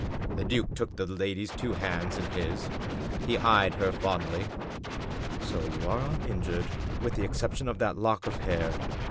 The duke took the lady's two hands in his. He eyed her fondly. " So you are uninjured, with the exception of that lock of hair.